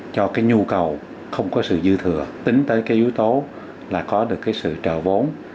cho cái nhu cầu không có sự dư thừa tính tới cái yếu tố là có được cái sự trợ vốn